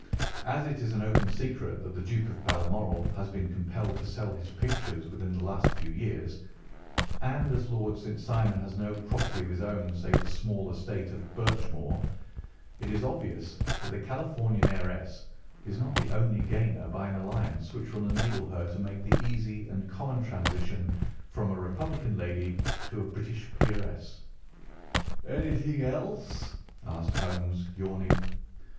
As it is an open secret that the Duke of Balmoral has been compelled to sell his pictures within the last few years, and as Lord St. Simon has no property of his own save the small estate of Birchmoor, it is obvious that the Californian heiress is not the only gainer by an alliance which will enable her to make the easy and common transition from a Republican lady to a British peeress.'" "Anything else?" asked Holmes, yawning.